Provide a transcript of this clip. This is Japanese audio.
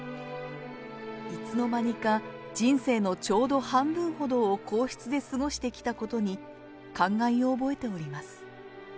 いつの間にか人生のちょうど半分ほどを皇室で過ごしてきたことに、感慨を覚えております。